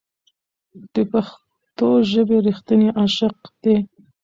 دی د پښتو ژبې رښتینی عاشق دی.